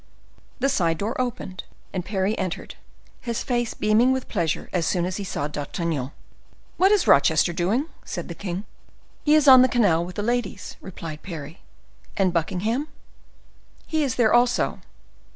The side door opened and Parry entered, his face beaming with pleasure as soon as he saw D'Artagnan. "What is Rochester doing?" said the king. "He is on the canal with the ladies," replied Parry. "And Buckingham?" "He is there also."